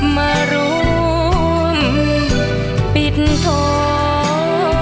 มาร่วมปิดทอง